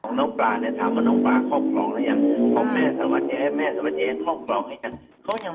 ของน้องปลาถามว่าน้องปลาครอบครองหรือยัง